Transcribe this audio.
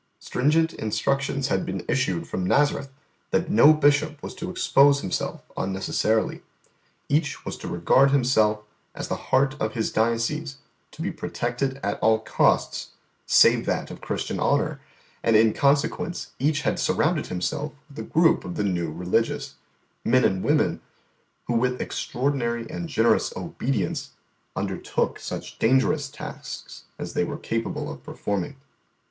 Stringent instructions had been issued from Nazareth that no bishop was to expose himself unnecessarily; each was to regard himself as the heart of his diocese to be protected at all costs save that of Christian honour, and in consequence each had surrounded himself with a group of the new Religious men and women who with extraordinary and generous obedience undertook such dangerous tasks as they were capable of performing.